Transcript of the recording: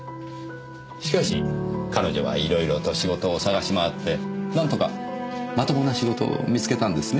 しかし彼女はいろいろと仕事を探し回ってなんとかまともな仕事を見つけたんですね。